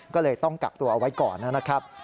ก็เลยต้องกักตัวเอาไว้ก่อนนะครับ